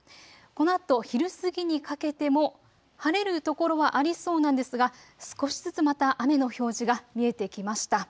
このあと昼過ぎにかけても晴れる所はありそうなんですが少しずつまた雨の表示が見えてきました。